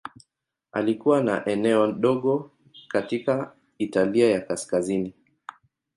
Alikuwa na eneo dogo katika Italia ya Kaskazini.